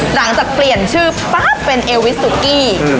หลังจากเปลี่ยนชื่อปั๊บเป็นเอวิสุกี้